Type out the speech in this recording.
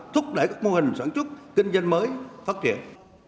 thúc đẩy các mô hình sản xuất kinh doanh mới phát triển